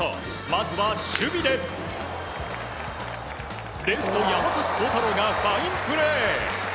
まずは守備でレフト山崎晃大朗がファインプレー！